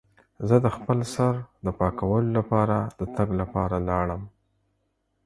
زه د خپل سر د پاکولو لپاره د تګ لپاره لاړم.